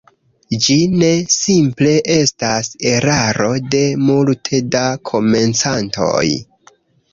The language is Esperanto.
Ĝi ne simple estas eraro de multe da komencantoj.